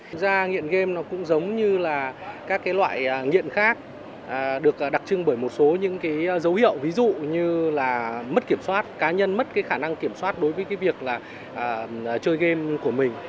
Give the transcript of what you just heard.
thực ra nghiện game nó cũng giống như là các loại nghiện khác được đặc trưng bởi một số những cái dấu hiệu ví dụ như là mất kiểm soát cá nhân mất cái khả năng kiểm soát đối với cái việc là chơi game của mình